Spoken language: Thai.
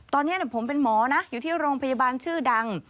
ตอนนี้ผมเป็นหมอนะอยู่ที่โรงพยาบาลชื่อดัง